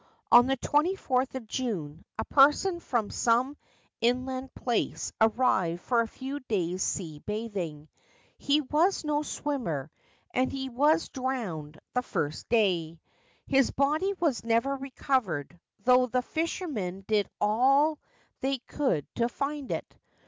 On the 24th of June, a person from some inland place arrived for a few days' sea bathing. He was no swimmer, and he was drowned the first day. His body was never recovered, though the fishermen did all they could to find it.